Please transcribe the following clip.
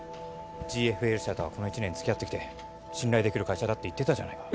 ＧＦＬ社とはこの１年つきあってきて信頼できる会社だって言ってたじゃないか